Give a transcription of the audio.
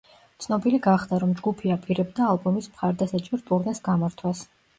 ცნობილი გახდა, რომ ჯგუფი აპირებდა ალბომის მხარდასაჭერ ტურნეს გამართვას.